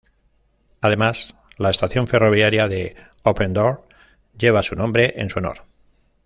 Además, la estación ferroviaria de Open Door lleva su nombre en su honor.